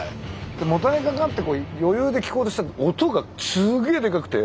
もたれかかって余裕で聴こうとしたら音がすげえでかくて。